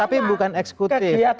tetapi bukan eksekutif